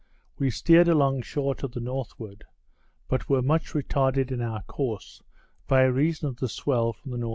We steered along shore to the northward, but were much retarded in our course by reason of the swell from the N.E.